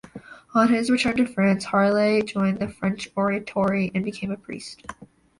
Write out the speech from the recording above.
On his return to France, Harlay joined the French Oratory and became a priest.